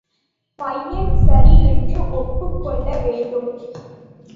பையன் சரி என்று ஒப்புக் கொள்ளவேண்டும்.